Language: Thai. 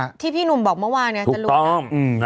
ที่พี่หนุ่มบอกเมื่อวานเนี่ยจะรู้แล้ว